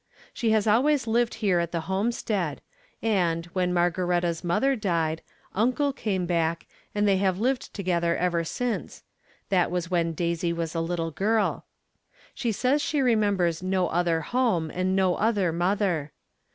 She has always lived here at the homestead, and, when Margaretta's mother died, uncle came back, and they have lived together ever since — that was when Daisy was a little girl. She says she remembers no other home, and no other mother.